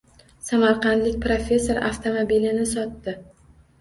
Samarqandlik professor avtomobilini sotdi.